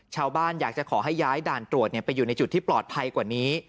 อยากจะขอให้ย้ายด่านตรวจไปอยู่ในจุดที่ปลอดภัยกว่านี้